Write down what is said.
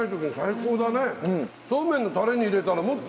そうめんのタレに入れたらもっと。